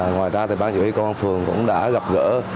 ngoài ra thì ban chỉ huy công an phường cũng đã gặp gỡ